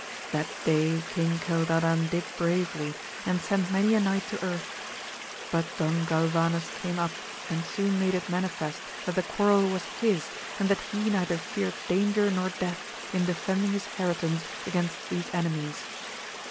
That day King Cildadan did bravely, and sent many a knight to earth ; but Don Galvanes came up, and soon made it manifest that the quarrel was his, and that he neither feared danger nor death in defending his heritance against these enemies.